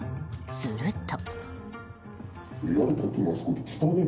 すると。